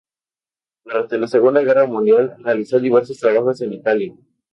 Durante a Segunda Guerra Mundial realizó diversos trabajos en Italia.